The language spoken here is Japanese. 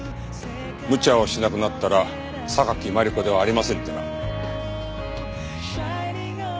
「むちゃをしなくなったら榊マリコではありません」ってな。